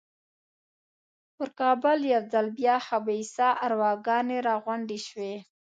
پر کابل یو ځل بیا خبیثه ارواګانې را غونډې شوې.